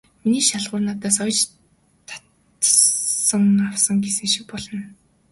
Миний шалгуур надаас оёж татвар авсан" гэсэн шиг болно.